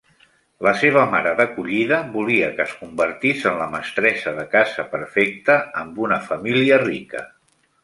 La seva mare d'acollida volia que es convertís en la mestressa de casa perfecta amb una família rica.